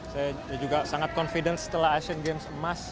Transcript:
saya juga sangat confident setelah asian games emas